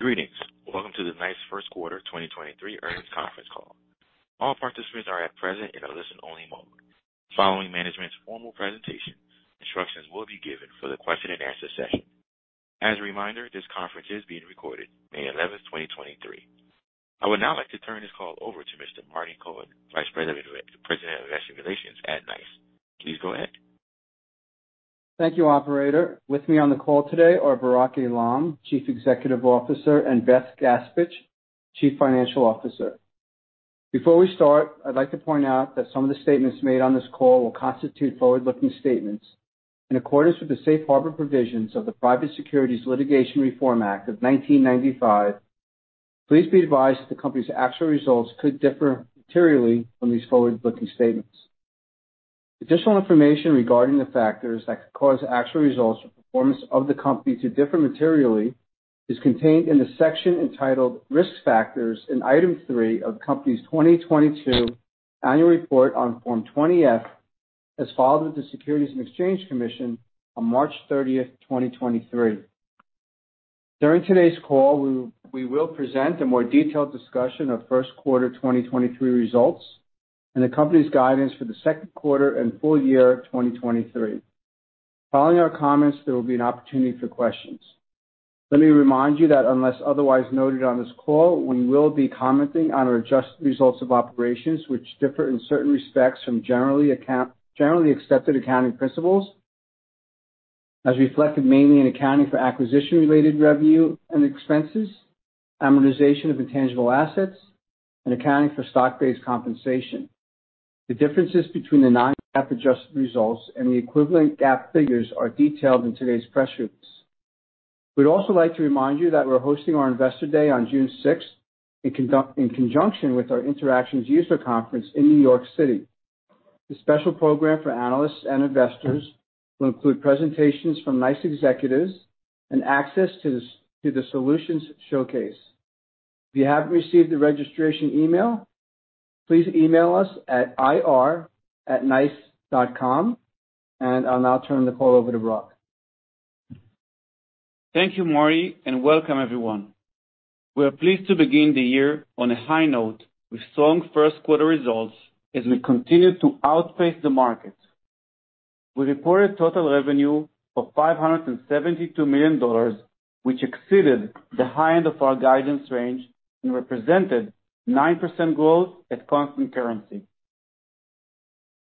Greetings. Welcome to the NICE first quarter 2023 earnings Conference Call. All participants are at present in a listen only mode. Following management's formal presentation, instructions will be given for the question and answer session. As a reminder, this conference is being recorded May 11, 2023. I would now like to turn this call over to Mr. Marty Cohen, Vice President of Investor Relations at NICE. Please go ahead. Thank you, operator. With me on the call today are Barak Eilam, Chief Executive Officer, and Beth Gaspich, Chief Financial Officer. Before we start, I'd like to point out that some of the statements made on this call will constitute forward-looking statements in accordance with the safe harbor provisions of the Private Securities Litigation Reform Act of 1995. Please be advised that the company's actual results could differ materially from these forward-looking statements. Additional information regarding the factors that could cause actual results or performance of the company to differ materially is contained in the section entitled Risk Factors in Item 3 of the company's 2022 annual report on Form 20-F, as filed with the Securities and Exchange Commission on March 30th, 2023. During today's call, we will present a more detailed discussion of first quarter 2023 results and the company's guidance for the second quarter and full year of 2023. Following our comments, there will be an opportunity for questions. Let me remind you that unless otherwise noted on this call, we will be commenting on our adjusted results of operations, which differ in certain respects from generally accepted accounting principles, as reflected mainly in accounting for acquisition-related revenue and expenses, amortization of intangible assets, and accounting for stock-based compensation. The differences between the non-GAAP adjusted results and the equivalent GAAP figures are detailed in today's press release. We'd also like to remind you that we're hosting our Investor Day on June 6 in conjunction with our Interactions User Conference in New York City. The special program for analysts and investors will include presentations from NICE executives and access to the solutions showcase. If you haven't received the registration email, please email us at ir@nice.com. I'll now turn the call over to Barak. Thank you, Marty. Welcome everyone. We are pleased to begin the year on a high note with strong first quarter results as we continue to outpace the market. We reported total revenue of $572 million, which exceeded the high end of our guidance range and represented 9% growth at constant currency.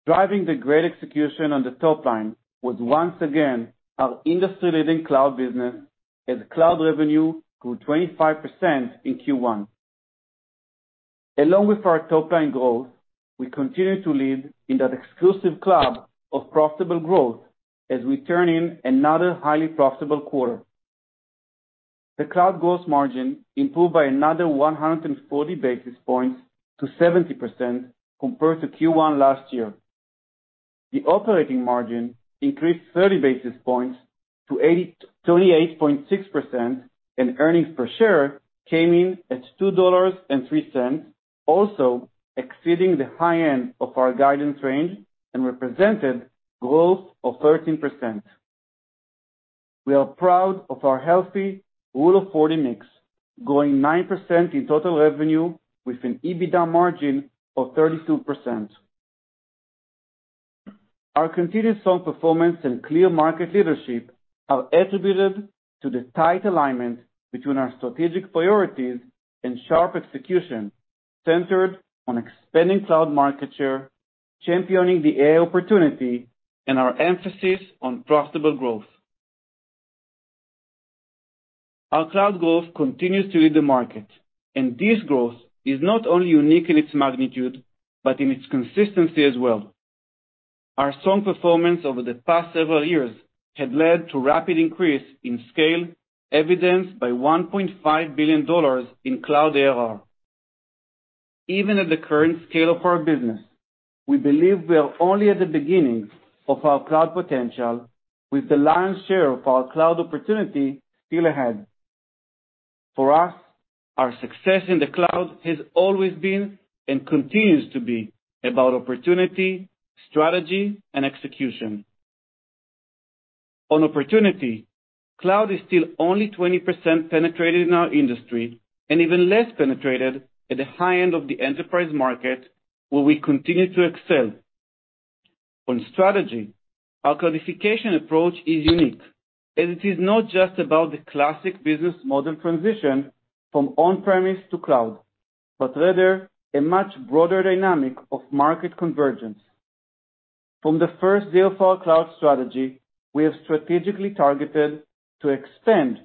Driving the great execution on the top line was once again our industry-leading cloud business, as cloud revenue grew 25% in Q1. Along with our top line growth, we continue to lead in that exclusive club of profitable growth as we turn in another highly profitable quarter. The cloud gross margin improved by another 140 basis points to 70% compared to Q1 last year. The operating margin increased 30 basis points to 28.6%, and earnings per share came in at $2.03, also exceeding the high end of our guidance range and represented growth of 13%. We are proud of our healthy Rule of 40 mix, growing 9% in total revenue with an EBITDA margin of 32%. Our continued strong performance and clear market leadership are attributed to the tight alignment between our strategic priorities and sharp execution centered on expanding cloud market share, championing the AI opportunity, and our emphasis on profitable growth. Our cloud growth continues to lead the market, and this growth is not only unique in its magnitude but in its consistency as well. Our strong performance over the past several years had led to rapid increase in scale, evidenced by $1.5 billion in cloud ARR. Even at the current scale of our business, we believe we are only at the beginning of our cloud potential with the lion's share of our cloud opportunity still ahead. For us, our success in the cloud has always been and continues to be about opportunity, strategy, and execution. On opportunity, cloud is still only 20% penetrated in our industry and even less penetrated at the high end of the enterprise market, where we continue to excel. On strategy, our cloudification approach is unique as it is not just about the classic business model transition from on-premise to cloud, but rather a much broader dynamic of market convergence. From the first day of our cloud strategy, we have strategically targeted to expand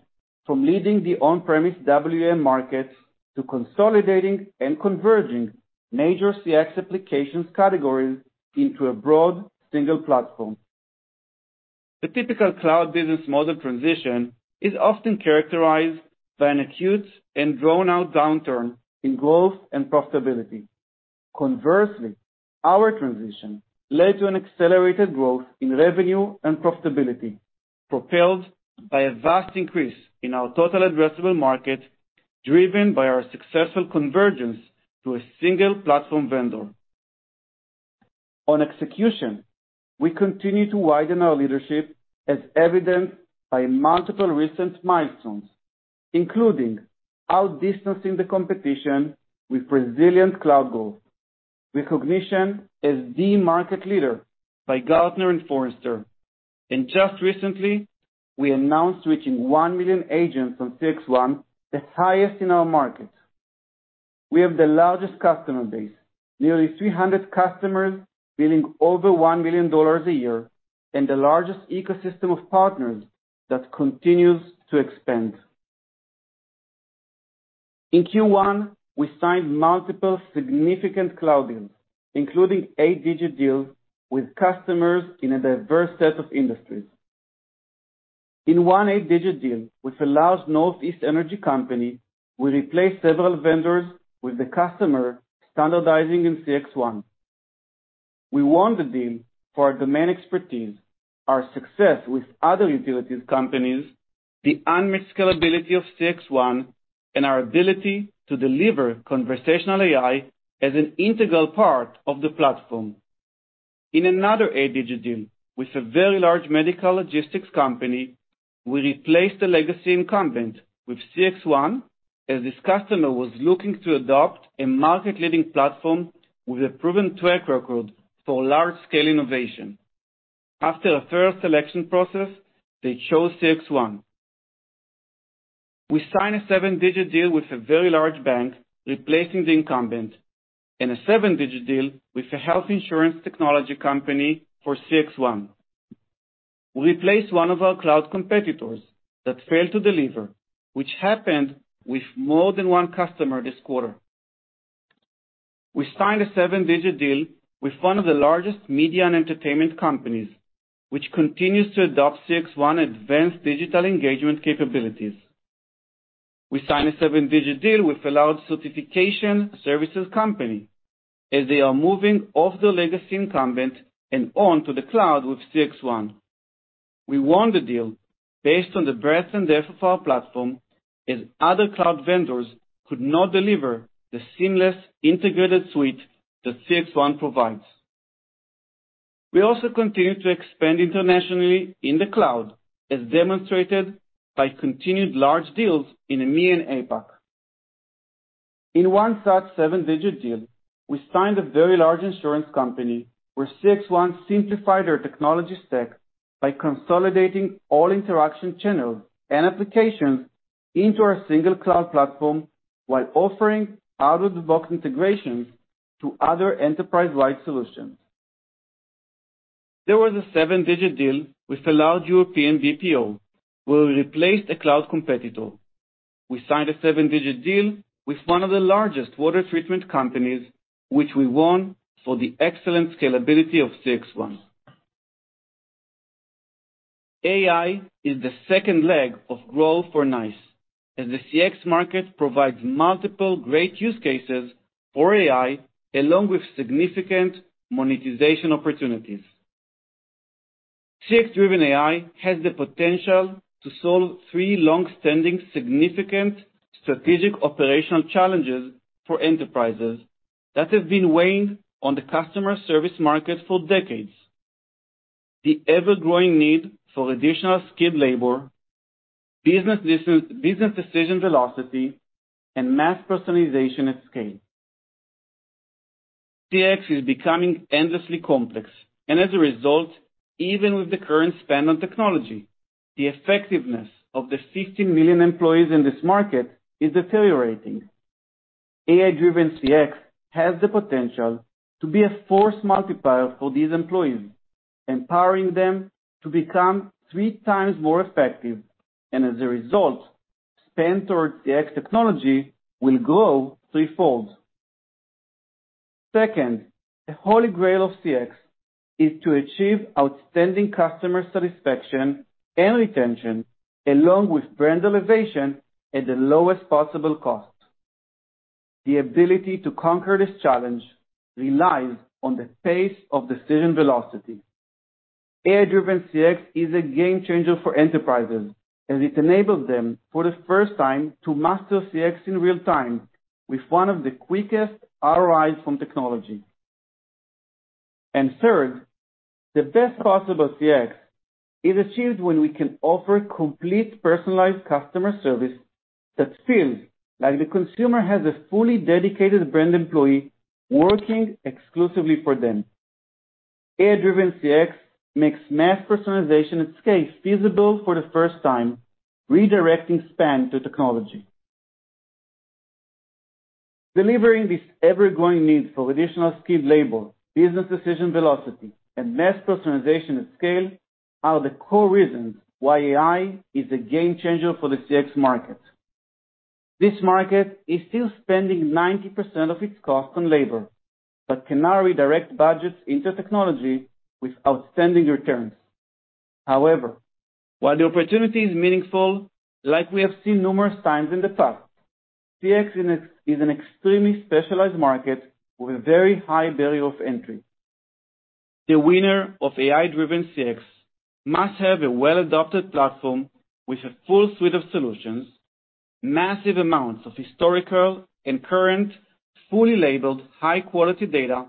from leading the on-premise WFM markets to consolidating and converging major CX applications categories into a broad single platform. The typical cloud business model transition is often characterized by an acute and drawn-out downturn in growth and profitability. Conversely, our transition led to an accelerated growth in revenue and profitability, propelled by a vast increase in our total addressable market, driven by our successful convergence to a single platform vendor. On execution, we continue to widen our leadership as evidenced by multiple recent milestones, including outdistancing the competition with resilient cloud growth, recognition as the market leader by Gartner and Forrester. Just recently, we announced reaching 1 million agents on CXone, the highest in our market. We have the largest customer base, nearly 300 customers billing over $1 million a year, and the largest ecosystem of partners that continues to expand. In Q1, we signed multiple significant cloud deals, including 8-digit deals with customers in a diverse set of industries. In 1 eight-digit deal with a large Northeast energy company, we replaced several vendors with the customer standardizing in CXone. We won the deal for our domain expertise, our success with other utilities companies, the unmatched scalability of CXone, and our ability to deliver conversational AI as an integral part of the platform. In another 8-digit deal with a very large medical logistics company, we replaced the legacy incumbent with CXone as this customer was looking to adopt a market-leading platform with a proven track record for large-scale innovation. After a thorough selection process, they chose CXone. We signed a 7-digit deal with a very large bank, replacing the incumbent, and a 7-digit deal with a health insurance technology company for CXone. We replaced one of our cloud competitors that failed to deliver, which happened with more than one customer this quarter. We signed a 7-digit deal with one of the largest media and entertainment companies, which continues to adopt CXone advanced digital engagement capabilities. We signed a 7-digit deal with a large certification services company as they are moving off their legacy incumbent and onto the cloud with CXone. We won the deal based on the breadth and depth of our platform, as other cloud vendors could not deliver the seamless integrated suite that CXone provides. We also continue to expand internationally in the cloud, as demonstrated by continued large deals in EMEA and APAC. In one such 7-digit deal, we signed a very large insurance company where CXone simplified their technology stack by consolidating all interaction channels and applications into our single cloud platform while offering out-of-the-box integrations to other enterprise-wide solutions. There was a 7-digit deal with a large European BPO where we replaced a cloud competitor. We signed a 7-digit deal with one of the largest water treatment companies, which we won for the excellent scalability of CXone. AI is the second leg of growth for NICE, as the CX market provides multiple great use cases for AI along with significant monetization opportunities. CX-driven AI has the potential to solve three long-standing significant strategic operational challenges for enterprises that have been weighing on the customer service market for decades. The ever-growing need for additional skilled labor, business decision velocity, and mass personalization at scale. CX is becoming endlessly complex and as a result, even with the current spend on technology, the effectiveness of the 16 million employees in this market is deteriorating. AI-driven CX has the potential to be a force multiplier for these employees, empowering them to become 3 times more effective, and as a result, spend towards CX technology will grow threefold. Second, the Holy Grail of CX is to achieve outstanding customer satisfaction and retention, along with brand elevation at the lowest possible cost. The ability to conquer this challenge relies on the pace of decision velocity. AI-driven CX is a game changer for enterprises as it enables them, for the first time, to master CX in real time with one of the quickest ROIs from technology. Third, the best possible CX is achieved when we can offer complete personalized customer service that feels like the consumer has a fully dedicated brand employee working exclusively for them. AI-driven CX makes mass personalization at scale feasible for the first time, redirecting spend to technology. Delivering this ever-growing need for additional skilled labor, business decision velocity, and mass personalization at scale are the core reasons why AI is a game changer for the CX market. This market is still spending 90% of its cost on labor, but can now redirect budgets into technology with outstanding returns. While the opportunity is meaningful, like we have seen numerous times in the past, CX is an extremely specialized market with a very high barrier of entry. The winner of AI-driven CX must have a well-adopted platform with a full suite of solutions. Massive amounts of historical and current fully labeled high-quality data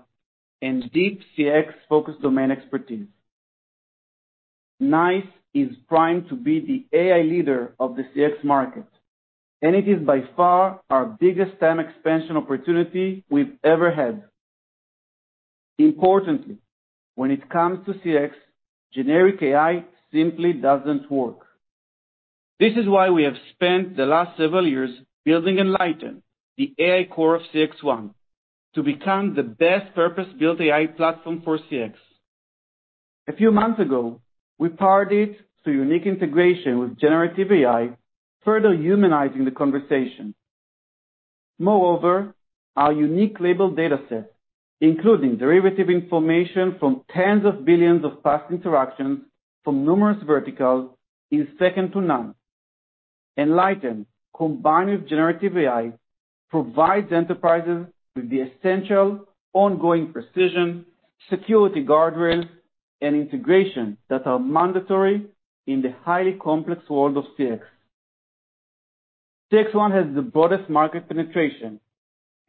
and deep CX-focused domain expertise. NICE is primed to be the AI leader of the CX market, and it is by far our biggest TAM expansion opportunity we've ever had. When it comes to CX, generic AI simply doesn't work. This is why we have spent the last several years building Enlighten, the AI core of CXone, to become the best purpose-built AI platform for CX. A few months ago, we powered it to unique integration with generative AI, further humanizing the conversation. Moreover, our unique labeled data set, including derivative information from tens of billions of past interactions from numerous verticals, is second to none. Enlighten, combined with generative AI, provides enterprises with the essential ongoing precision, security guardrails, and integration that are mandatory in the highly complex world of CX. CXone has the broadest market penetration,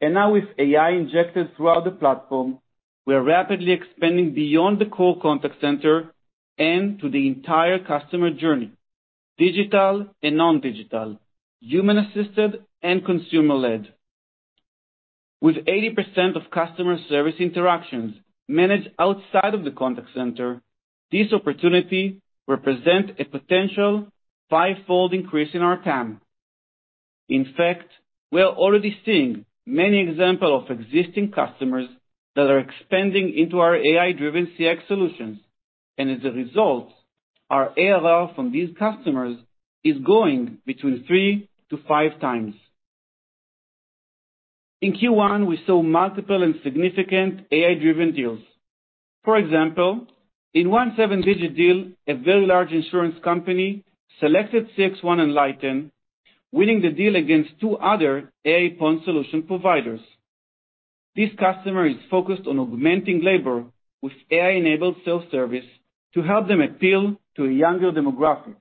and now with AI injected throughout the platform, we are rapidly expanding beyond the core contact center and to the entire customer journey, digital and non-digital, human-assisted and consumer-led. With 80% of customer service interactions managed outside of the contact center, this opportunity represents a potential 5-fold increase in our TAM. In fact, we are already seeing many examples of existing customers that are expanding into our AI-driven CX solutions. As a result, our ARR from these customers is growing between 3x-5x. In Q1, we saw multiple and significant AI-driven deals. For example, in a 7-digit deal, a very large insurance company selected CXone Enlighten, winning the deal against two other AI point solution providers. This customer is focused on augmenting labor with AI-enabled self-service to help them appeal to a younger demographic,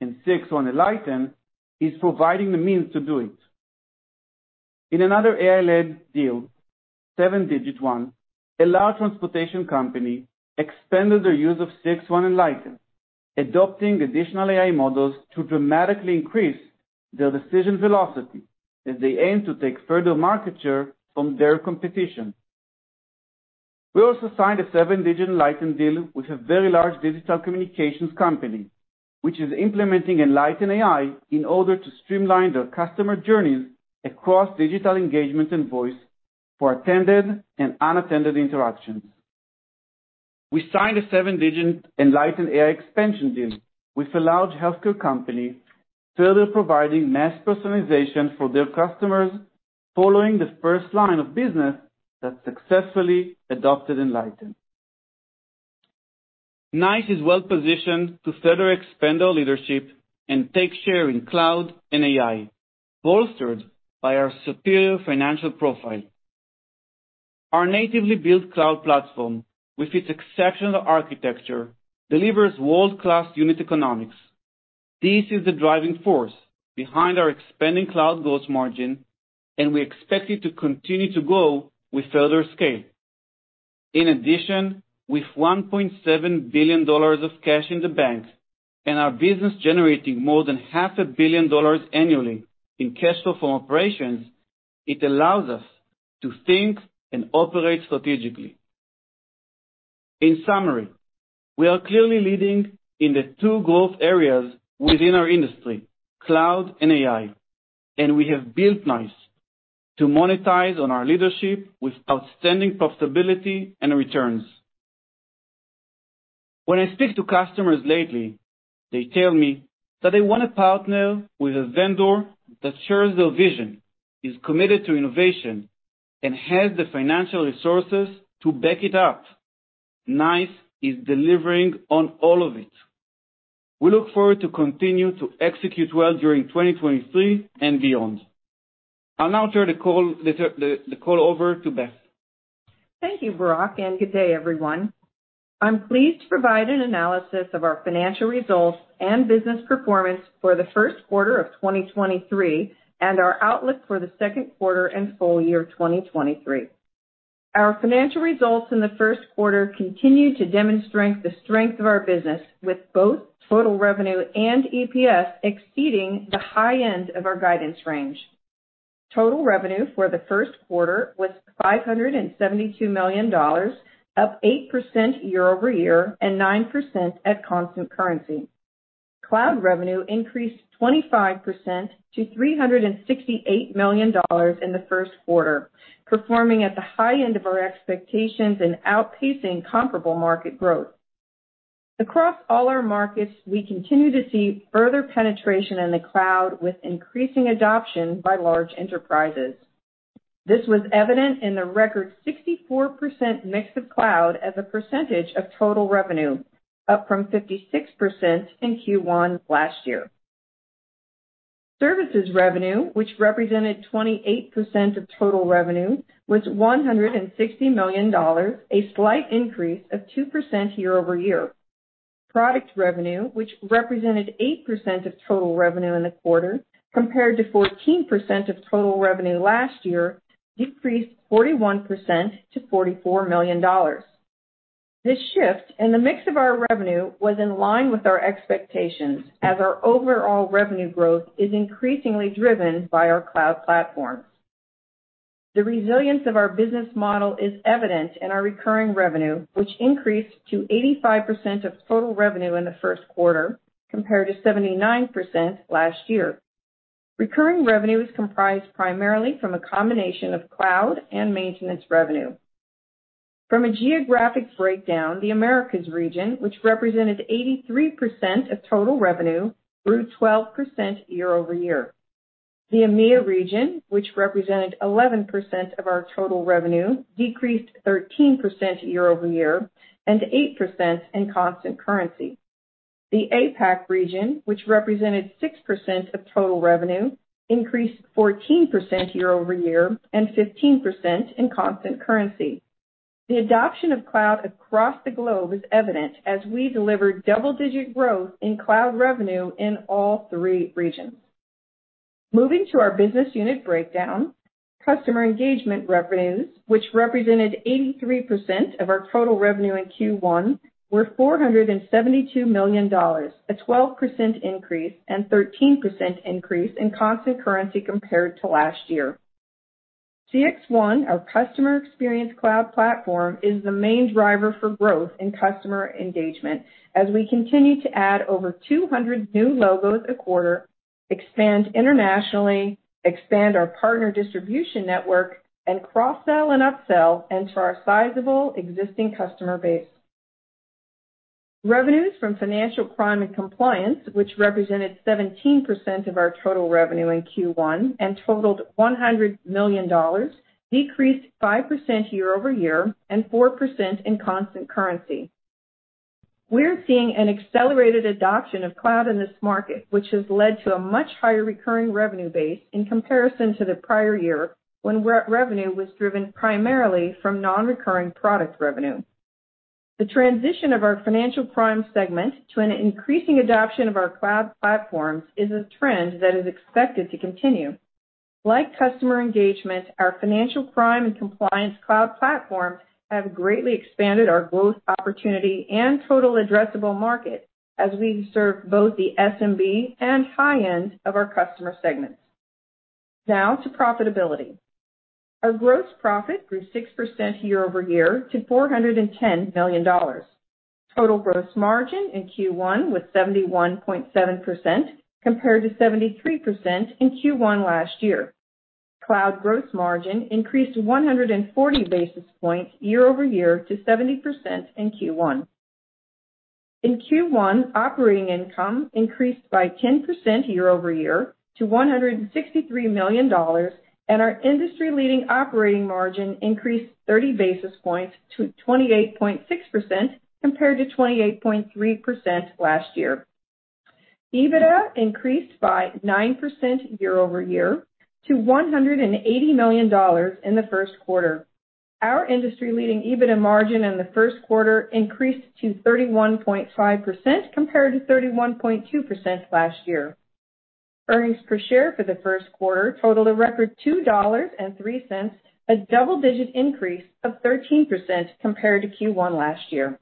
and CXone Enlighten is providing the means to do it. In another AI-led deal, 7-digit one, a large transportation company expanded their use of CXone Enlighten, adopting additional AI models to dramatically increase their decision velocity as they aim to take further market share from their competition. We also signed a 7-digit Enlighten deal with a very large digital communications company, which is implementing Enlighten AI in order to streamline their customer journeys across digital engagement and voice for attended and unattended interactions. We signed a seven-digit Enlighten AI expansion deal with a large healthcare company, further providing mass personalization for their customers following the first line of business that successfully adopted Enlighten. NICE is well-positioned to further expand our leadership and take share in cloud and AI, bolstered by our superior financial profile. Our natively built cloud platform, with its exceptional architecture, delivers world-class unit economics. This is the driving force behind our expanding cloud growth margin, and we expect it to continue to grow with further scale. With $1.7 billion of cash in the bank and our business generating more than half a billion dollars annually in cash flow from operations, it allows us to think and operate strategically. In summary, we are clearly leading in the two growth areas within our industry, cloud and AI, and we have built NICE to monetize on our leadership with outstanding profitability and returns. When I speak to customers lately, they tell me that they want to partner with a vendor that shares their vision, is committed to innovation, and has the financial resources to back it up. NICE is delivering on all of it. We look forward to continue to execute well during 2023 and beyond. I'll now turn the call over to Beth. Thank you, Barak, and good day, everyone. I'm pleased to provide an analysis of our financial results and business performance for the first quarter of 2023 and our outlook for the second quarter and full year 2023. Our financial results in the first quarter continue to demonstrate the strength of our business, with both total revenue and EPS exceeding the high end of our guidance range. Total revenue for the first quarter was $572 million, up 8% year-over-year and 9% at constant currency. Cloud revenue increased 25% to $368 million in the first quarter, performing at the high end of our expectations and outpacing comparable market growth. Across all our markets, we continue to see further penetration in the cloud with increasing adoption by large enterprises. This was evident in the record 64% mix of cloud as a percentage of total revenue, up from 56% in Q1 last year. Services revenue, which represented 28% of total revenue, was $160 million, a slight increase of 2% year-over-year. Product revenue, which represented 8% of total revenue in the quarter, compared to 14% of total revenue last year, decreased 41% to $44 million. This shift in the mix of our revenue was in line with our expectations as our overall revenue growth is increasingly driven by our cloud platforms. The resilience of our business model is evident in our recurring revenue, which increased to 85% of total revenue in the first quarter, compared to 79% last year. Recurring revenue is comprised primarily from a combination of cloud and maintenance revenue. From a geographic breakdown, the Americas region, which represented 83% of total revenue, grew 12% year-over-year. The EMEA region, which represented 11% of our total revenue, decreased 13% year-over-year, and 8% in constant currency. The APAC region, which represented 6% of total revenue, increased 14% year-over-year and 15% in constant currency. The adoption of cloud across the globe is evident as we delivered double-digit growth in cloud revenue in all three regions. Moving to our business unit breakdown. Customer Engagement revenues, which represented 83% of our total revenue in Q1, were $472 million, a 12% increase and 13% increase in constant currency compared to last year. CXone, our customer experience cloud platform, is the main driver for growth in Customer Engagement as we continue to add over 200 new logos a quarter, expand internationally, expand our partner distribution network, and cross-sell and upsell into our sizable existing customer base. Revenues from Financial Crime and Compliance, which represented 17% of our total revenue in Q1 and totaled $100 million, decreased 5% year-over-year and 4% in constant currency. We're seeing an accelerated adoption of cloud in this market, which has led to a much higher recurring revenue base in comparison to the prior year when re-revenue was driven primarily from non-recurring product revenue. The transition of our Financial Crime segment to an increasing adoption of our cloud platforms is a trend that is expected to continue. Like Customer Engagement, our Financial Crime and Compliance cloud platform have greatly expanded our growth opportunity and total addressable market as we serve both the SMB and high-end of our customer segments. Now to profitability. Our gross profit grew 6% year-over-year to $410 million. Total gross margin in Q1 was 71.7% compared to 73% in Q1 last year. Cloud gross margin increased 140 basis points year-over-year to 70% in Q1. In Q1, operating income increased by 10% year-over-year to $163 million, and our industry-leading operating margin increased 30 basis points to 28.6%, compared to 28.3% last year. EBITDA increased by 9% year-over-year to $180 million in the first quarter. Our industry-leading EBITDA margin in the first quarter increased to 31.5% compared to 31.2% last year. Earnings per share for the first quarter totaled a record $2.03, a double-digit increase of 13% compared to Q1 last year.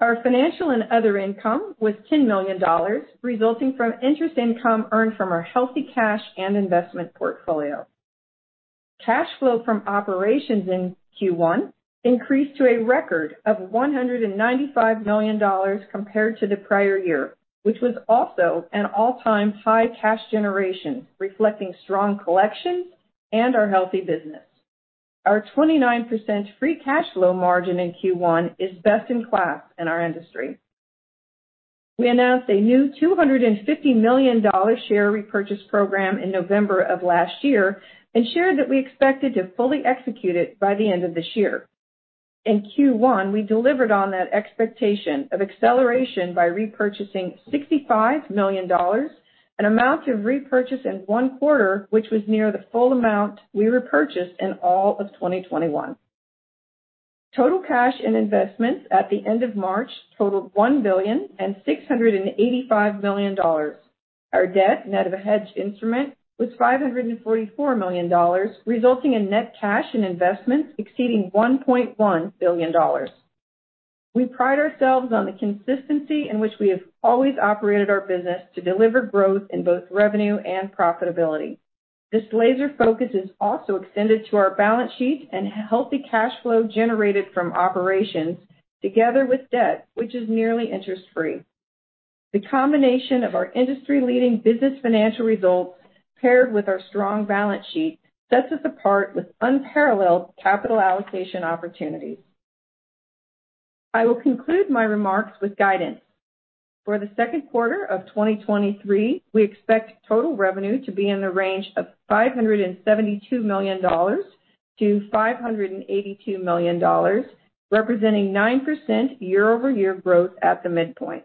Our financial and other income was $10 million, resulting from interest income earned from our healthy cash and investment portfolio. Cash flow from operations in Q1 increased to a record of $195 million compared to the prior year, which was also an all-time high cash generation, reflecting strong collections and our healthy business. Our 29% free cash flow margin in Q1 is best in class in our industry. We announced a new $250 million share repurchase program in November of last year and shared that we expected to fully execute it by the end of this year. In Q1, we delivered on that expectation of acceleration by repurchasing $65 million, an amount of repurchase in first quarter, which was near the full amount we repurchased in all of 2021. Total cash and investments at the end of March totaled $1.685 billion. Our debt net of a hedged instrument was $544 million, resulting in net cash and investments exceeding $1.1 billion. We pride ourselves on the consistency in which we have always operated our business to deliver growth in both revenue and profitability. This laser focus is also extended to our balance sheet and healthy cash flow generated from operations together with debt, which is nearly interest-free. The combination of our industry-leading business financial results paired with our strong balance sheet sets us apart with unparalleled capital allocation opportunities. I will conclude my remarks with guidance. For the second quarter of 2023, we expect total revenue to be in the range of $572 million-$582 million, representing 9% year-over-year growth at the midpoint.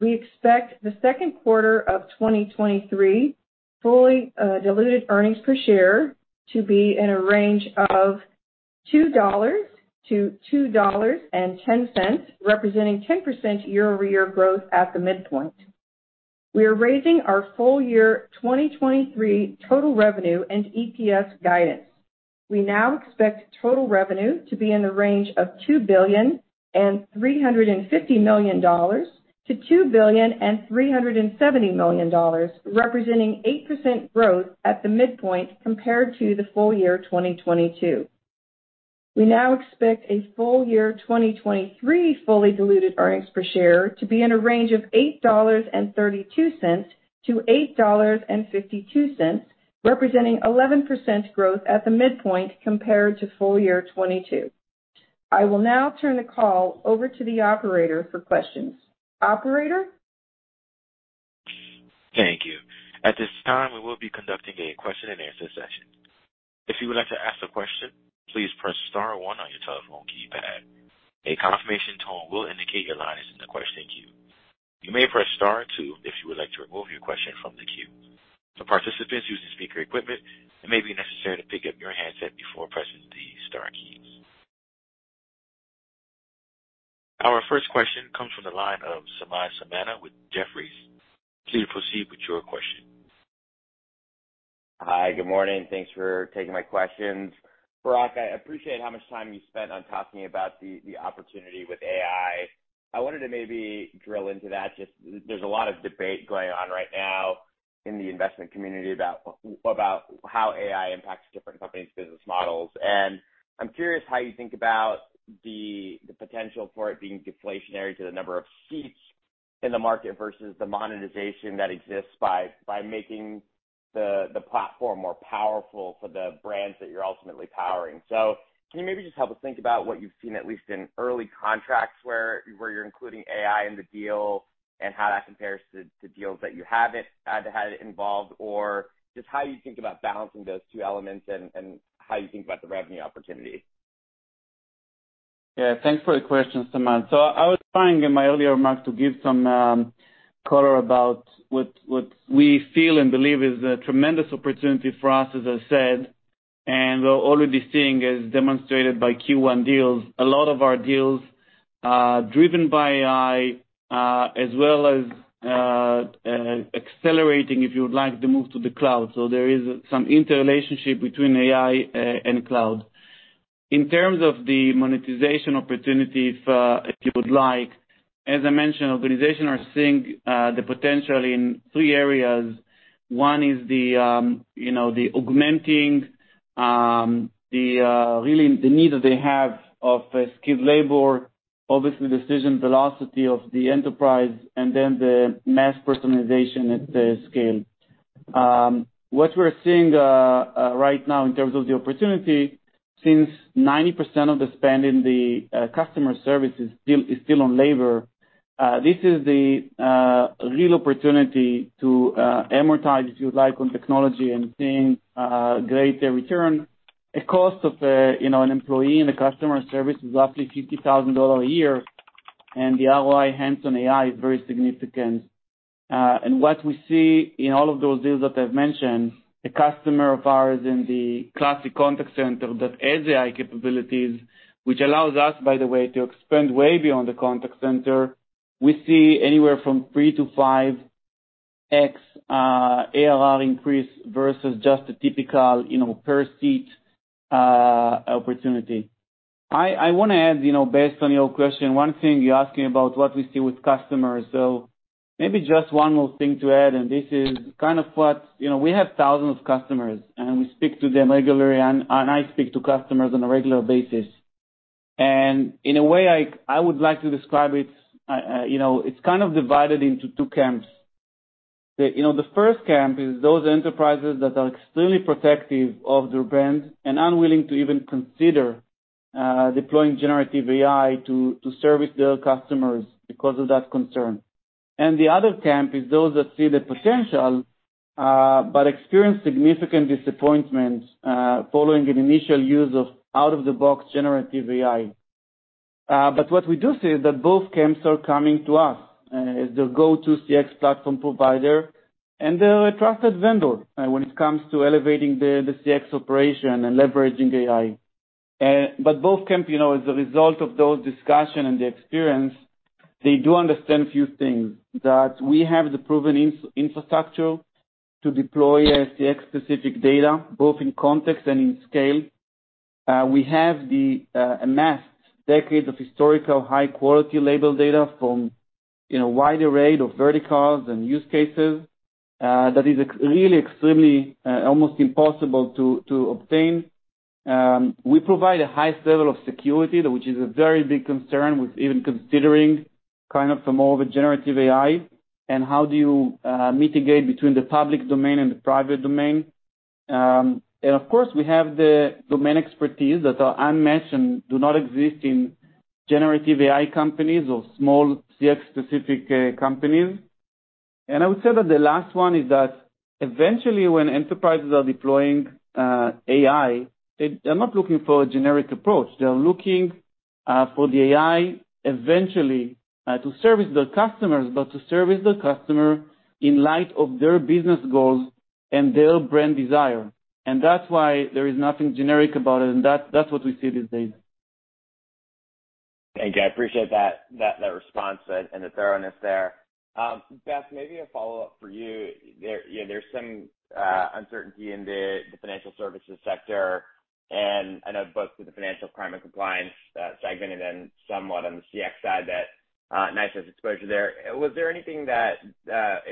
We expect the second quarter of 2023 fully diluted earnings per share to be in a range of $2-$2.10, representing 10% year-over-year growth at the midpoint. We are raising our full year 2023 total revenue and EPS guidance. We now expect total revenue to be in the range of $2.35 billion-$2.37 billion, representing 8% growth at the midpoint compared to the full year 2022. We now expect a full year 2023 fully diluted earnings per share to be in a range of $8.32-$8.52, representing 11% growth at the midpoint compared to full year 2022. I will now turn the call over to the operator for questions. Operator. Thank you. At this time, we will be conducting a question-and-answer session. If you would like to ask a question, please press star one on your telephone keypad. A confirmation tone will indicate your line is in the question queue. You may press star two if you would like to remove your question from the queue. For participants using speaker equipment, it may be necessary to pick up your handset before pressing the star key. Our first question comes from the line of Samad Samana with Jefferies. Please proceed with your question. Hi. Good morning. Thanks for taking my questions. Barak, I appreciate how much time you spent on talking about the opportunity with AI. I wanted to maybe drill into that. There's a lot of debate going on right now in the investment community about how AI impacts different companies' business models. I'm curious how you think about the potential for it being deflationary to the number of seats in the market versus the monetization that exists by making the platform more powerful for the brands that you're ultimately powering. Can you maybe just help us think about what you've seen, at least in early contracts where you're including AI in the deal, and how that compares to deals that you haven't had it involved, or just how you think about balancing those two elements and how you think about the revenue opportunity? Yeah. Thanks for the question, Saman. I was trying in my earlier remarks to give some color about what we feel and believe is a tremendous opportunity for us, as I said. We're already seeing, as demonstrated by Q1 deals, a lot of our deals driven by AI, as well as accelerating, if you would like, the move to the cloud. There is some interrelationship between AI and cloud. In terms of the monetization opportunity for if you would like, as I mentioned, organizations are seeing the potential in three areas. One is the, you know, the augmenting the really the need that they have of skilled labor, obviously decision velocity of the enterprise and then the mass personalization at scale. What we're seeing right now in terms of the opportunity, since 90% of the spend in the customer service is still on labor, this is the real opportunity to amortize, if you like, on technology and seeing greater return. The cost of, you know, an employee in a customer service is roughly $50,000 a year. The ROI hands on AI is very significant. What we see in all of those deals that I've mentioned, a customer of ours in the classic contact center that adds AI capabilities, which allows us, by the way, to expand way beyond the contact center. We see anywhere from 3-5x ARR increase versus just a typical, you know, per seat opportunity. I wanna add, you know, based on your question, one thing you're asking about what we see with customers. Maybe just one more thing to add, and this is kind of what. You know, we have thousands of customers, and we speak to them regularly, and I speak to customers on a regular basis. In a way, I would like to describe it, you know, it's kind of divided into two camps. The, you know, the first camp is those enterprises that are extremely protective of their brand and unwilling to even consider deploying generative AI to service their customers because of that concern. The other camp is those that see the potential, but experience significant disappointment following an initial use of out-of-the-box generative AI. What we do see is that both camps are coming to us as a go-to CX platform provider and a trusted vendor when it comes to elevating the CX operation and leveraging AI. Both camp, you know, as a result of those discussion and the experience, they do understand a few things, that we have the proven infrastructure to deploy a CX specific data, both in context and in scale. We have the amassed decades of historical high-quality label data from, you know, a wide array of verticals and use cases that is really extremely almost impossible to obtain. We provide a high level of security, which is a very big concern with even considering kind of some more of a generative AI and how do you mitigate between the public domain and the private domain. Of course, we have the domain expertise that are unmentioned do not exist in generative AI companies or small CX specific companies. I would say that the last one is that eventually when enterprises are deploying AI, they're not looking for a generic approach. They are looking for the AI eventually to service the customers, but to service the customer in light of their business goals and their brand desire. That's why there is nothing generic about it, and that's what we see these days. Thank you. I appreciate that response and the thoroughness there. Beth, maybe a follow-up for you. There, you know, there's some uncertainty in the financial services sector, and I know both through the Financial Crime and Compliance segment and then somewhat on the CX side that NICE has exposure there. Was there anything that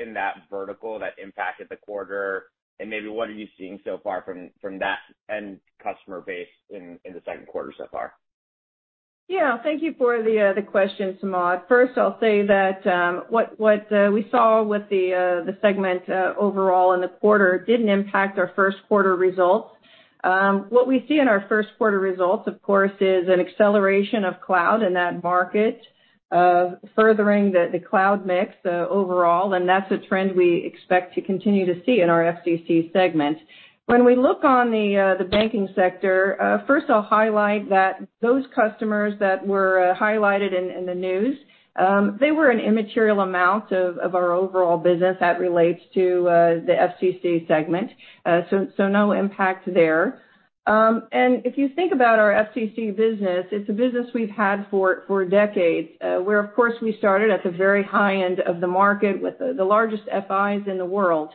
in that vertical that impacted the quarter? And maybe what are you seeing so far from that end customer base in the second quarter so far? Yeah. Thank you for the question, Samad. First, I'll say that what we saw with the segment overall in the quarter didn't impact our first quarter results. What we see in our first quarter results, of course, is an acceleration of cloud in that market, furthering the cloud mix overall, and that's a trend we expect to continue to see in our FCC segment. When we look on the banking sector, first I'll highlight that those customers that were highlighted in the news, they were an immaterial amount of our overall business that relates to the FCC segment. No impact there. If you think about our FCC business, it's a business we've had for decades, where of course we started at the very high end of the market with the largest FIs in the world.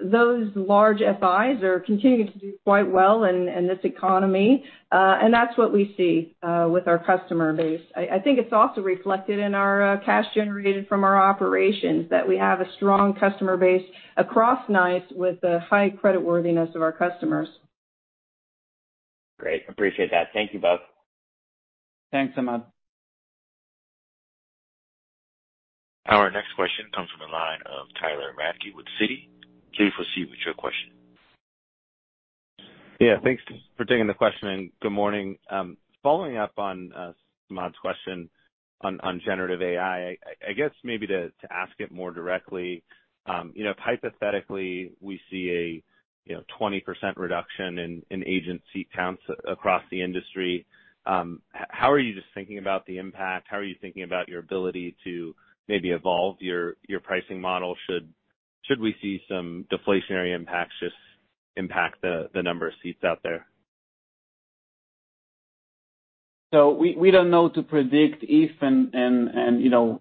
Those large FIs are continuing to do quite well in this economy, and that's what we see with our customer base. I think it's also reflected in our cash generated from our operations, that we have a strong customer base across NICE with the high credit worthiness of our customers. Great. Appreciate that. Thank you both. Thanks, Samad. Our next question comes from the line of Tyler Radke with Citi. Please proceed with your question. Thanks for taking the question, and good morning. Following up on Samad's question on generative AI, I guess maybe to ask it more directly, you know, hypothetically, we see a, you know, 20% reduction in agent seat counts across the industry. How are you just thinking about the impact? How are you thinking about your ability to maybe evolve your pricing model should we see some deflationary impacts just impact the number of seats out there? We don't know to predict if and, you know,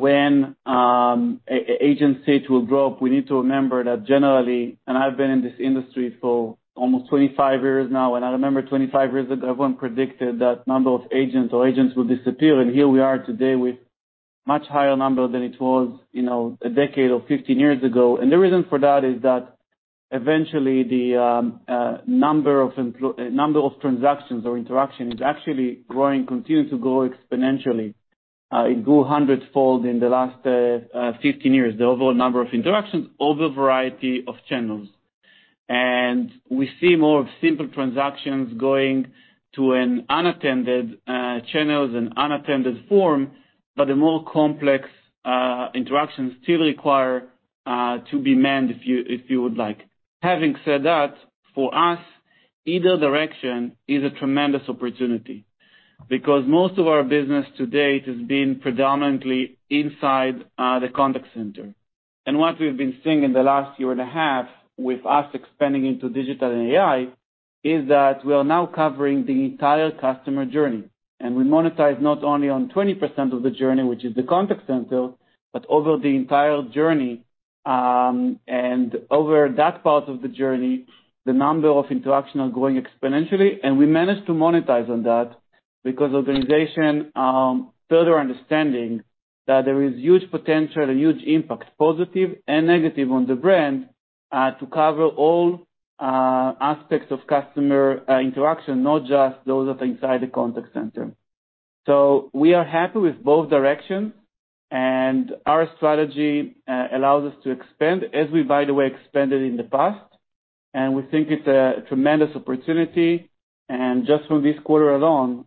when agent seats will drop. We need to remember that generally, I've been in this industry for almost 25 years now, I remember 25 years ago, everyone predicted that number of agents or agents would disappear, here we are today with much higher number than it was, you know, a decade or 15 years ago. The reason for that is that eventually the number of transactions or interactions is actually growing, continuing to grow exponentially. It grew 100-fold in the last 15 years, the overall number of interactions over a variety of channels. We see more of simple transactions going to an unattended channels and unattended form, but the more complex interactions still require to be manned if you would like. Having said that, for us, either direction is a tremendous opportunity because most of our business to date has been predominantly inside the contact center. What we've been seeing in the last year and a half with us expanding into digital and AI is that we are now covering the entire customer journey. We monetize not only on 20% of the journey, which is the contact center, but over the entire journey. Over that part of the journey, the number of interactions are growing exponentially, and we manage to monetize on that because organization further understanding that there is huge potential and huge impact, positive and negative, on the brand, to cover all aspects of customer interaction, not just those that are inside the contact center. We are happy with both directions. Our strategy allows us to expand as we, by the way, expanded in the past. We think it's a tremendous opportunity. Just from this quarter alone,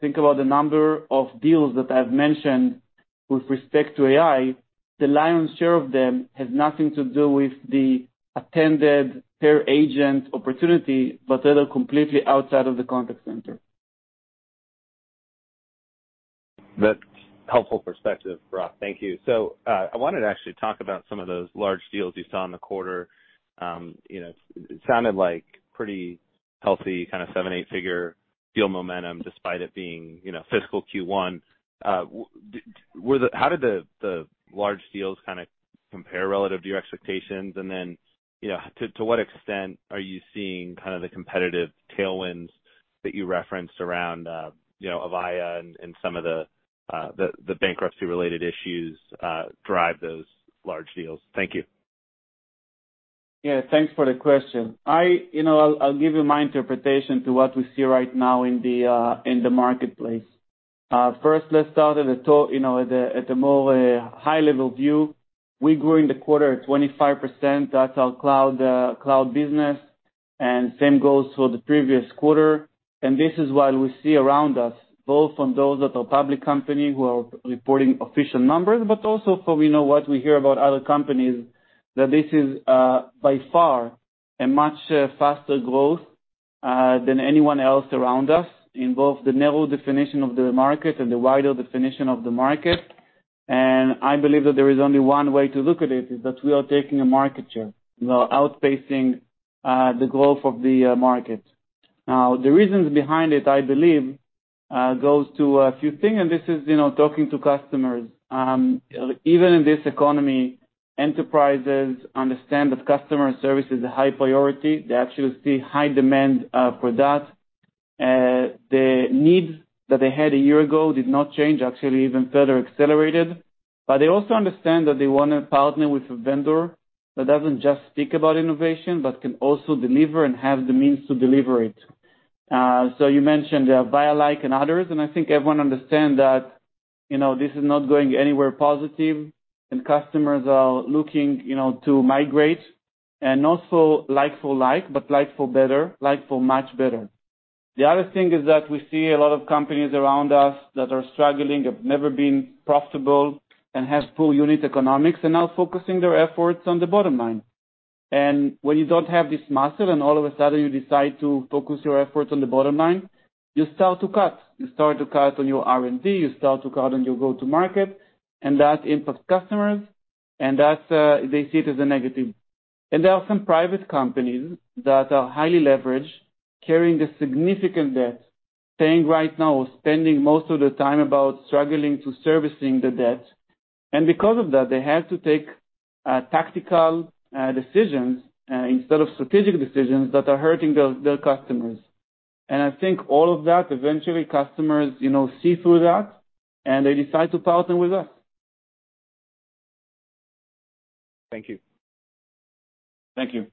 think about the number of deals that I've mentioned with respect to AI. The lion's share of them has nothing to do with the attended care agent opportunity, but they are completely outside of the contact center. That's helpful perspective, Barak. Thank you. I wanted to actually talk about some of those large deals you saw in the quarter. You know, it sounded like pretty healthy kind of seven, eight-figure deal momentum despite it being, you know, fiscal Q1. How did the large deals kinda compare relative to your expectations? You know, to what extent are you seeing kind of the competitive tailwinds that you referenced around, you know, Avaya and some of the bankruptcy-related issues drive those large deals? Thank you. Yeah, thanks for the question. You know, I'll give you my interpretation to what we see right now in the marketplace. First, let's start at the top, you know, at the more high level view. We grew in the quarter at 25%. That's our cloud business. Same goes for the previous quarter. This is what we see around us, both from those that are public company who are reporting official numbers, but also from, you know, what we hear about other companies, that this is by far a much faster growth than anyone else around us in both the narrow definition of the market and the wider definition of the market. I believe that there is only one way to look at it, is that we are taking a market share. We are outpacing the growth of the market. The reasons behind it, I believe, goes to a few things, and this is, you know, talking to customers. Even in this economy, enterprises understand that customer service is a high priority. They actually see high demand for that. The needs that they had a year ago did not change. Actually, even further accelerated. They also understand that they wanna partner with a vendor that doesn't just speak about innovation, but can also deliver and have the means to deliver it. You mentioned Avaya like and others, and I think everyone understand that, you know, this is not going anywhere positive and customers are looking, you know, to migrate. Also like for like, but like for better, like for much better. The other thing is that we see a lot of companies around us that are struggling, have never been profitable, and have poor unit economics. They're now focusing their efforts on the bottom line. When you don't have this mastered and all of a sudden you decide to focus your efforts on the bottom line, you start to cut. You start to cut on your R&D, you start to cut on your go-to-market, and that impacts customers, and that's they see it as a negative. There are some private companies that are highly leveraged, carrying a significant debt, paying right now or spending most of the time about struggling to servicing the debt. Because of that, they have to take tactical decisions instead of strategic decisions that are hurting their customers. I think all of that, eventually customers, you know, see through that and they decide to partner with us. Thank you. Thank you.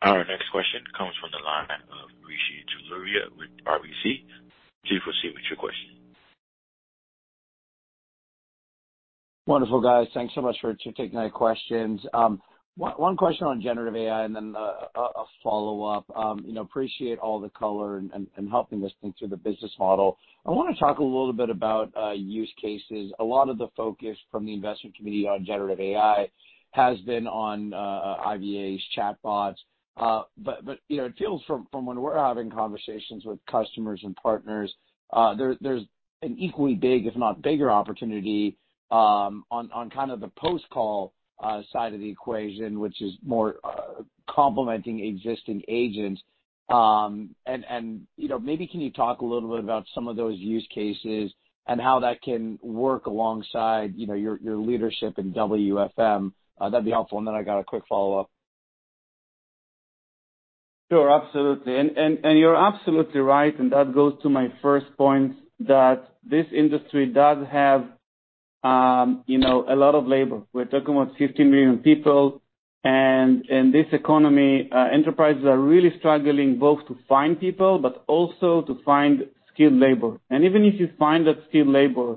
Our next question comes from the line of Rishi Jaluria with RBC. Please proceed with your question. Wonderful, guys. Thanks so much for taking my questions. One question on generative AI and then a follow-up. You know, appreciate all the color and helping us think through the business model. I wanna talk a little bit about use cases. A lot of the focus from the investment community on generative AI has been on IVAs, chatbots. You know, it feels from when we're having conversations with customers and partners, there's an equally big, if not bigger opportunity on kind of the post-call side of the equation, which is more complementing existing agents. You know, maybe can you talk a little bit about some of those use cases and how that can work alongside, you know, your leadership in WFM? That'd be helpful. I got a quick follow-up. Sure, absolutely. You're absolutely right, and that goes to my first point that this industry does have, you know, a lot of labor. We're talking about 15 million people. In this economy, enterprises are really struggling both to find people, but also to find skilled labor. Even if you find that skilled labor,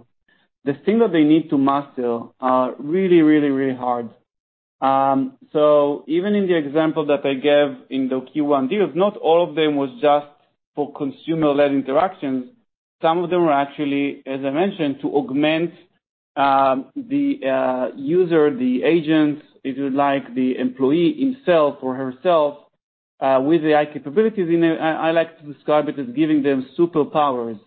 the thing that they need to master are really, really, really hard. Even in the example that I gave in the Q1 deals, not all of them was just for consumer-led interactions. Some of them were actually, as I mentioned, to augment, the user, the agents, if you like, the employee himself or herself, with AI capabilities in it. I like to describe it as giving them superpowers.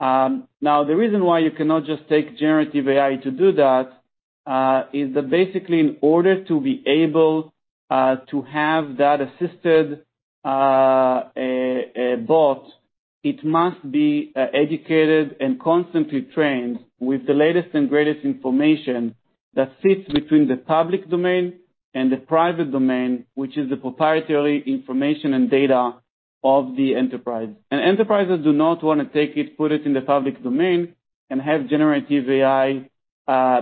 Now the reason why you cannot just take generative AI to do that, is that basically in order to be able to have that assisted bot, it must be educated and constantly trained with the latest and greatest information that sits between the public domain and the private domain, which is the proprietary information and data of the enterprise. Enterprises do not wanna take it, put it in the public domain, and have generative AI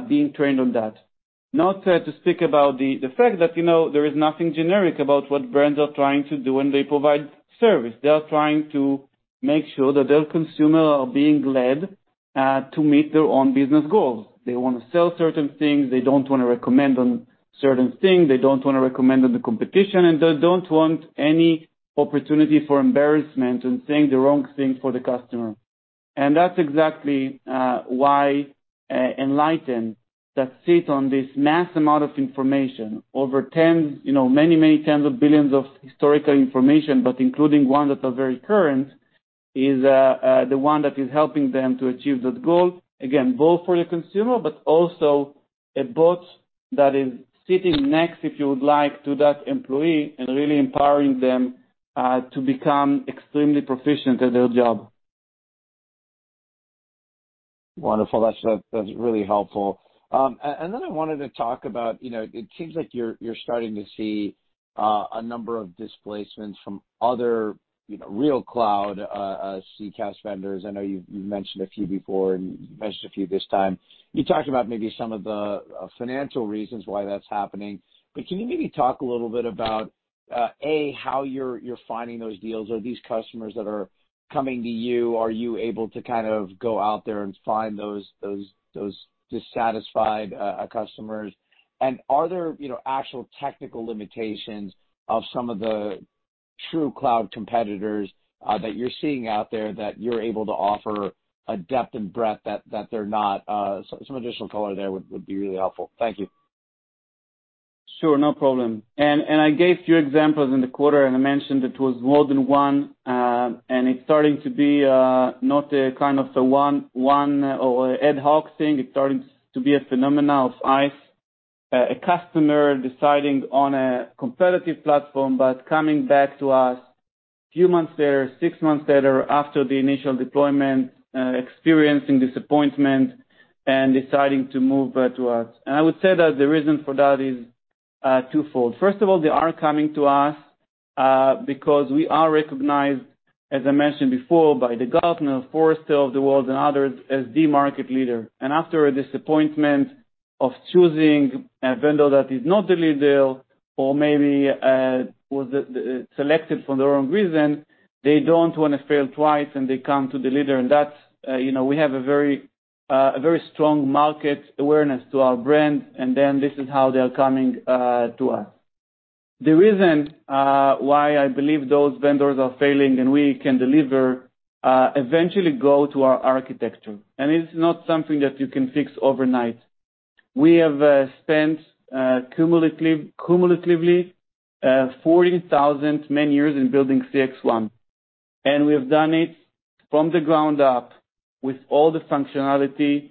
being trained on that. Not to speak about the fact that, you know, there is nothing generic about what brands are trying to do when they provide service. They are trying to make sure that their consumer are being led to meet their own business goals. They wanna sell certain things, they don't wanna recommend on certain things, they don't wanna recommend on the competition, and they don't want any opportunity for embarrassment and saying the wrong thing for the customer. That's exactly why Enlighten that sit on this mass amount of information over 10, you know, many tens of billions of historical information, but including ones that are very current, is the one that is helping them to achieve that goal. Again, both for the consumer, but also a bot that is sitting next, if you would like, to that employee and really empowering them to become extremely proficient at their job. Wonderful. That's really helpful. Then I wanted to talk about, you know, it seems like you're starting to see a number of displacements from other, you know, real cloud CCaaS vendors. I know you've mentioned a few before and you mentioned a few this time. You talked about maybe some of the financial reasons why that's happening. Can you maybe talk a little bit about- A, how you're finding those deals? Are these customers that are coming to you, are you able to kind of go out there and find those dissatisfied customers? Are there, you know, actual technical limitations of some of the true cloud competitors that you're seeing out there that you're able to offer a depth and breadth that they're not? Some additional color there would be really helpful. Thank you. Sure. No problem. I gave a few examples in the quarter and I mentioned it was more than one. It's starting to be not a kind of a one or ad hoc thing. It's starting to be a phenomena of NICE. A customer deciding on a competitive platform, but coming back to us a few months later, 6 months later after the initial deployment, experiencing disappointment and deciding to move to us. I would say that the reason for that is twofold. First of all, they are coming to us because we are recognized, as I mentioned before, by the Gartner, Forrester of the world and others as the market leader. After a disappointment of choosing a vendor that is not the leader or maybe was selected for the wrong reason, they don't wanna fail twice, and they come to the leader. That's, you know, we have a very, a very strong market awareness to our brand. This is how they are coming to us. The reason why I believe those vendors are failing and we can deliver eventually go to our architecture. It's not something that you can fix overnight. We have spent cumulatively 40,000 man years in building CXone, and we have done it from the ground up with all the functionality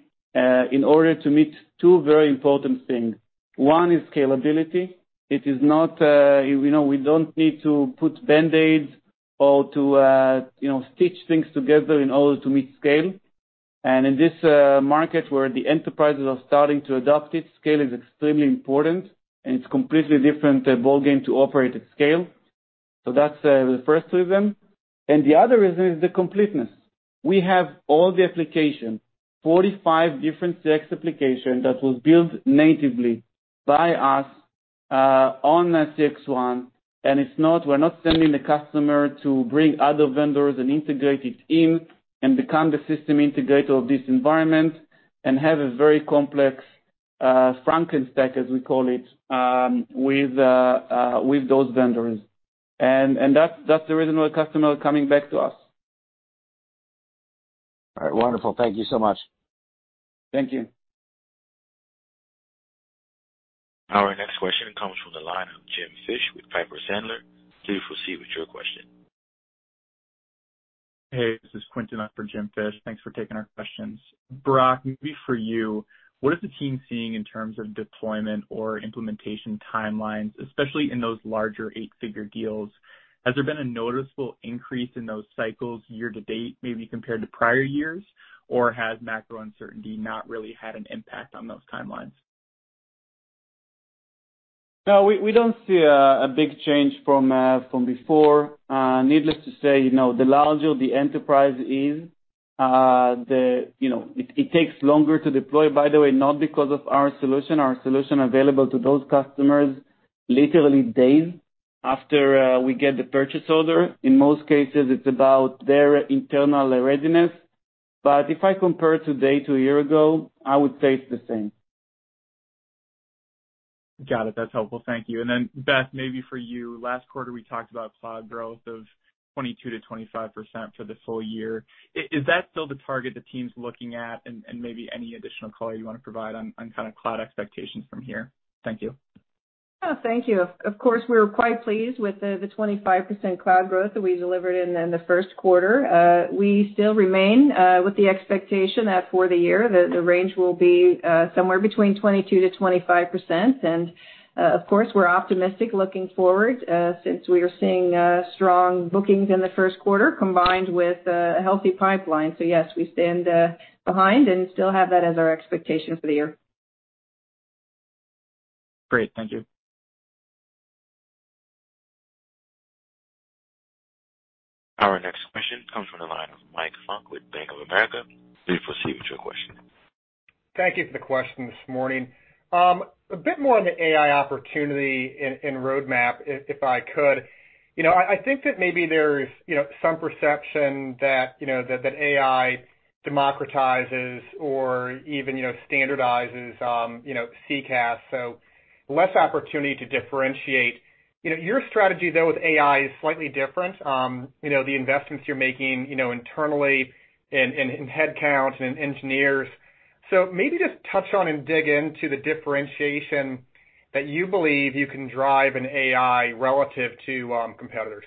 in order to meet two very important things. One is scalability. It is not, you know, we don't need to put band-aids or to, you know, stitch things together in order to meet scale. In this market where the enterprises are starting to adopt it, scale is extremely important, and it's completely different ballgame to operate at scale. That's the first reason. The other reason is the completeness. We have all the applications, 45 different CX applications that was built natively by us on CXone. We're not sending the customer to bring other vendors and integrate it in and become the system integrator of this environment and have a very complex Frankenstack, as we call it, with those vendors. That's the reason why customers are coming back to us. All right. Wonderful. Thank you so much. Thank you. Our next question comes from the line of James Fish with Piper Sandler. Please proceed with your question. Hey, this is Quinton. I'm for Jim Fish. Thanks for taking our questions. Barak, maybe for you, what is the team seeing in terms of deployment or implementation timelines, especially in those larger 8-figure deals? Has there been a noticeable increase in those cycles year-to-date, maybe compared to prior years, or has macro uncertainty not really had an impact on those timelines? No, we don't see a big change from before. Needless to say, you know, the larger the enterprise is, you know, it takes longer to deploy, by the way, not because of our solution. Our solution available to those customers literally days after we get the purchase order. In most cases, it's about their internal readiness. If I compare today to a year ago, I would say it's the same. Got it. That's helpful. Thank you. Beth, maybe for you. Last quarter, we talked about cloud growth of 22%-25% for the full year. Is that still the target the team's looking at? Maybe any additional color you wanna provide on kind of cloud expectations from here? Thank you. Oh, thank you. Of course, we were quite pleased with the 25% cloud growth that we delivered in the first quarter. We still remain with the expectation that for the year, the range will be somewhere between 22%-25%. Of course, we're optimistic looking forward, since we are seeing strong bookings in the first quarter combined with a healthy pipeline. Yes, we stand behind and still have that as our expectations for the year. Great. Thank you. Our next question comes from the line of Mike Funk with Bank of America. Please proceed with your question. Thank you for the question this morning. A bit more on the AI opportunity and roadmap, if I could. You know, I think that maybe there's, you know, some perception that, you know, that AI democratizes or even, you know, standardizes, you know, CCaaS, so less opportunity to differentiate. You know, your strategy though with AI is slightly different. You know, the investments you're making, you know, internally in headcount and in engineers. Maybe just touch on and dig into the differentiation that you believe you can drive in AI relative to competitors.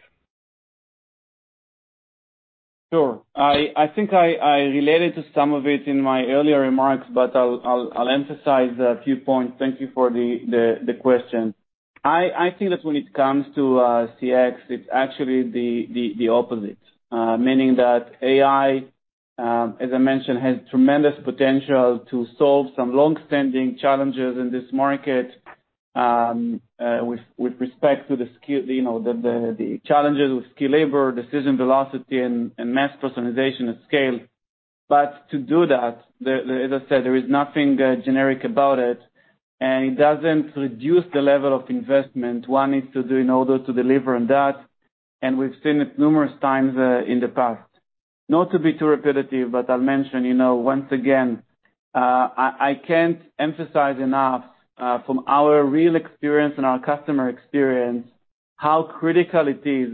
Sure. I think I related to some of it in my earlier remarks, but I'll emphasize a few points. Thank you for the question. I think that when it comes to CX, it's actually the opposite. Meaning that AI, as I mentioned, has tremendous potential to solve some long-standing challenges in this market, with respect to the skill, you know, the challenges with skill labor, decision velocity and mass personalization at scale. To do that, as I said, there is nothing generic about it, and it doesn't reduce the level of investment one needs to do in order to deliver on that. We've seen it numerous times in the past. Not to be too repetitive, but I'll mention, you know, once again, I can't emphasize enough, from our real experience and our customer experience, how critical it is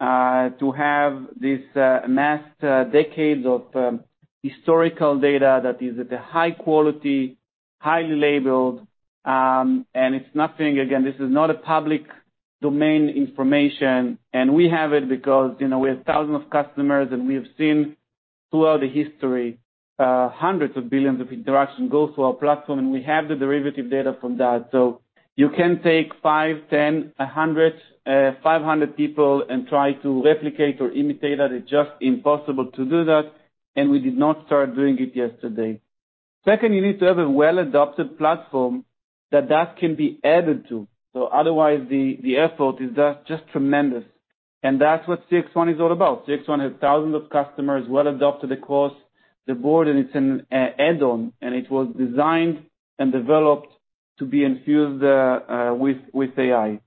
to have these amassed decades of historical data that is at a high quality, highly labeled, and it's nothing. Again, this is not a public domain information, and we have it because, you know, we have thousands of customers, and we have seen throughout the history, hundreds of billions of interactions go through our platform, and we have the derivative data from that. You can take 5, 10, 100, 500 people and try to replicate or imitate that. It's just impossible to do that, and we did not start doing it yesterday. Second, you need to have a well-adopted platform that can be added to. Otherwise, the effort is tremendous. That's what CXone is all about. CXone has thousands of customers well adopted across the board. It's an add-on, and it was designed and developed to be infused with AI.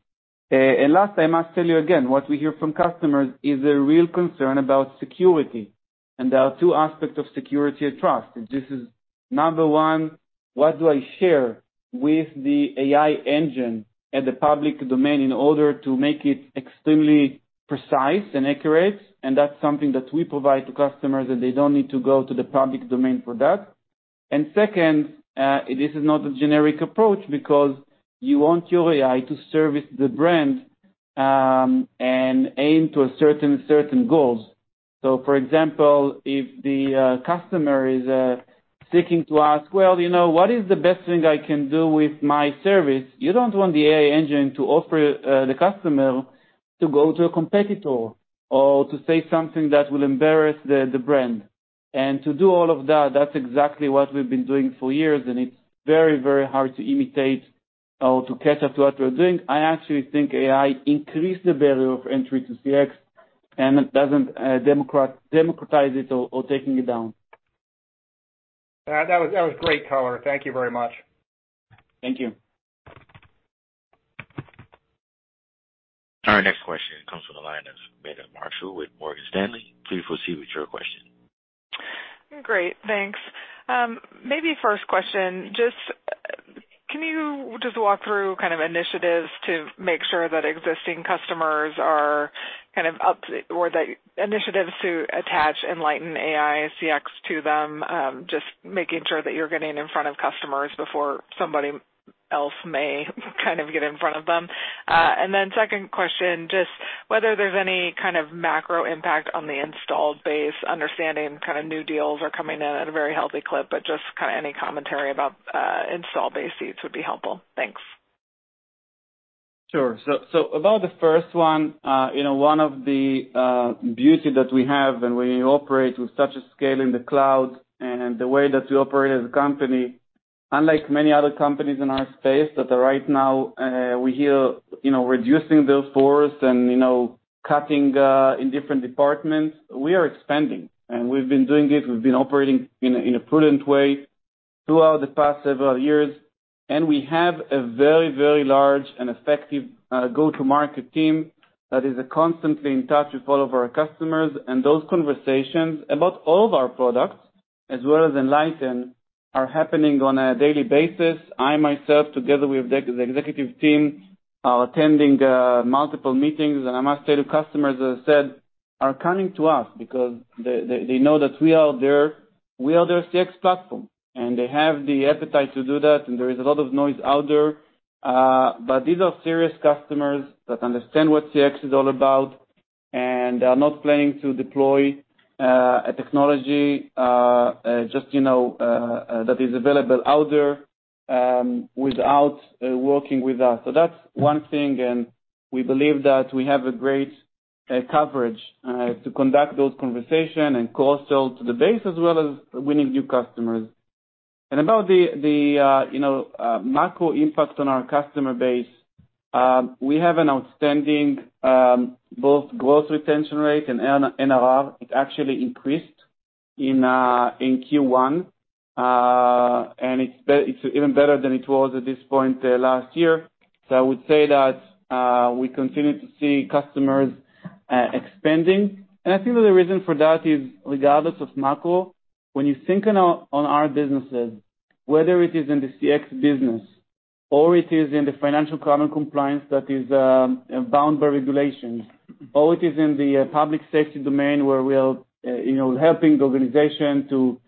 Last, I must tell you again, what we hear from customers is a real concern about security. There are two aspects of security I trust. This is number one, what do I share with the AI engine and the public domain in order to make it extremely precise and accurate? That's something that we provide to customers, and they don't need to go to the public domain for that. Second, this is not a generic approach because you want your AI to service the brand and aim to certain goals. For example, if the customer is seeking to ask, "Well, you know, what is the best thing I can do with my service?" You don't want the AI engine to offer the customer to go to a competitor or to say something that will embarrass the brand. To do all of that's exactly what we've been doing for years, and it's very, very hard to imitate or to catch up to what we're doing. I actually think AI increase the value of entry to CX, and it doesn't democratize it or taking it down. that was great, Talor. Thank you very much. Thank you. Our next question comes from the line of Meta Marshall with Morgan Stanley. Please proceed with your question. Great. Thanks. Maybe first question, just can you just walk through kind of initiatives to make sure that existing customers are kind of up or the initiatives to attach Enlighten AI CX to them, just making sure that you're getting in front of customers before somebody else may kind of get in front of them? Second question, just whether there's any kind of macro impact on the installed base, understanding kind of new deals are coming in at a very healthy clip, but just kind of any commentary about install base seats would be helpful. Thanks. Sure. So about the first one, you know, one of the beauty that we have. We operate with such a scale in the cloud and the way that we operate as a company, unlike many other companies in our space that are right now, we hear, you know, reducing bill force and, you know, cutting, in different departments, we are expanding. We've been doing it. We've been operating in a prudent way throughout the past several years. We have a very, very large and effective go-to-market team that is constantly in touch with all of our customers. Those conversations about all of our products, as well as Enlighten, are happening on a daily basis. I myself, together with the executive team, are attending multiple meetings. I must tell you, customers, as I said, are coming to us because they know that we are their CX platform, and they have the appetite to do that. There is a lot of noise out there. But these are serious customers that understand what CX is all about, and they are not planning to deploy a technology, just, you know, that is available out there, without working with us. That's one thing, and we believe that we have a great coverage to conduct those conversation and cross-sell to the base as well as winning new customers. About the, you know, macro impact on our customer base, we have an outstanding both gross retention rate and NRR. It actually increased in Q1. It's even better than it was at this point last year. I would say that we continue to see customers expanding. I think that the reason for that is, regardless of macro, when you think on our, on our businesses, whether it is in the CX business or it is in the Financial Crime and Compliance that is bound by regulations, or it is in the public safety domain where we are, you know, helping the organization to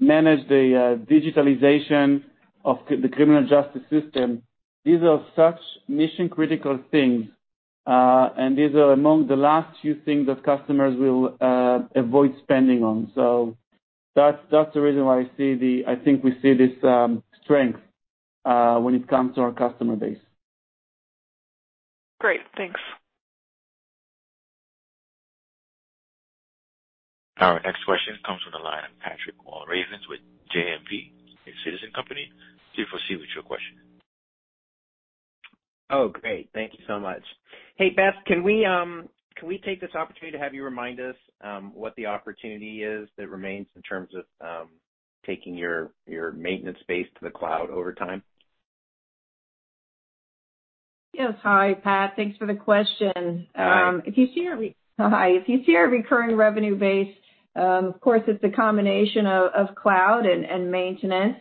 manage the digitalization of the criminal justice system, these are such mission-critical things, and these are among the last few things that customers will avoid spending on. That's the reason why I think we see this strength when it comes to our customer base. Great. Thanks. Our next question comes from the line of Patrick Walravens with JMP, a Citizens company. Please proceed with your question. Oh, great. Thank you so much. Hey, Beth, can we, can we take this opportunity to have you remind us, what the opportunity is that remains in terms of, taking your maintenance base to the cloud over time? Yes. Hi, Pat. Thanks for the question. Hi. Hi. If you see our recurring revenue base, of course it's a combination of cloud and maintenance.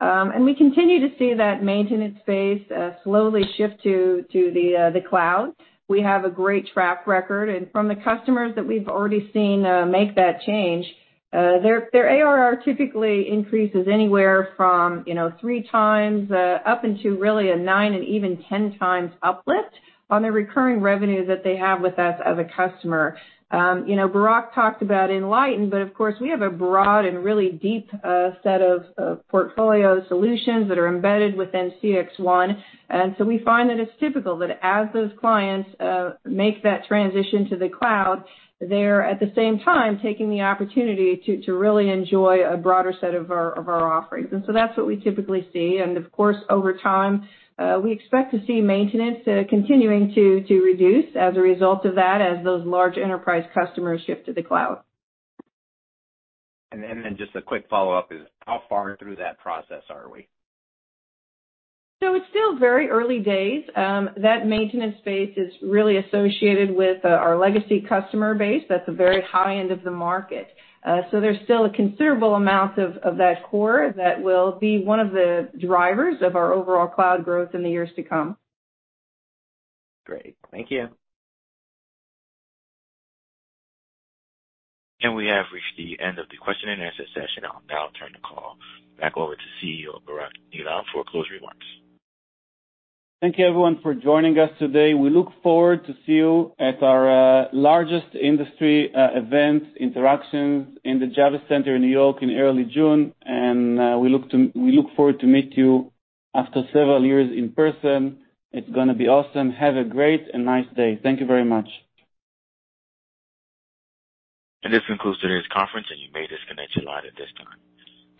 We continue to see that maintenance base slowly shift to the cloud. We have a great track record. From the customers that we've already seen make that change, their ARR typically increases anywhere from, you know, 3 times up into really a 9 and even 10 times uplift on the recurring revenue that they have with us as a customer. You know, Barak talked about Enlighten, of course, we have a broad and really deep set of portfolio solutions that are embedded within CXone. We find that it's typical that as those clients make that transition to the cloud, they're at the same time taking the opportunity to really enjoy a broader set of our offerings. That's what we typically see. Of course, over time, we expect to see maintenance continuing to reduce as a result of that as those large enterprise customers shift to the cloud. Just a quick follow-up is how far through that process are we? It's still very early days. That maintenance base is really associated with our legacy customer base. That's the very high end of the market. There's still a considerable amount of that core that will be one of the drivers of our overall cloud growth in the years to come. Great. Thank you. We have reached the end of the question and answer session. I'll now turn the call back over to CEO, Barak Eilam for closing remarks. Thank you everyone for joining us today. We look forward to see you at our largest industry event Interactions in the Javits Center in New York in early June. And we look forward to meet you after several years in person. It's gonna be awesome. Have a great and nice day. Thank you very much. This concludes today's conference, and you may disconnect your line at this time.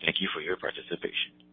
Thank you for your participation.